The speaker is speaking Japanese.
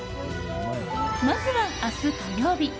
まずは明日、火曜日。